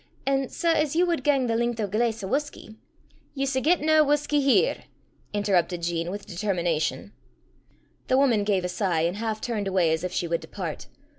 An' sae as ye wad gang the len'th o' a glaiss o' whusky " "Ye s' get nae whusky here," interrupted Jean, with determination. The woman gave a sigh, and half turned away as if she would depart.